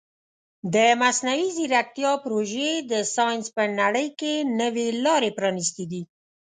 د مصنوعي ځیرکتیا پروژې د ساینس په نړۍ کې نوې لارې پرانیستې دي.